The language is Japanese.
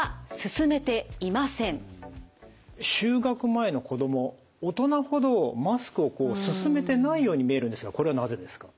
就学前の子ども大人ほどマスクをすすめてないように見えるんですがこれはなぜですか？